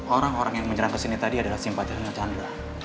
orang orang yang menyerang ke sini tadi adalah simpatisnya chandra